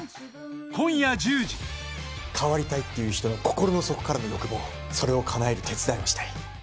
変わりたいっていう人の心の底からの欲望それをかなえる手伝いをしたい。